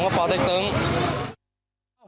ผมก็จะขอร้องขอร้องขอร้อง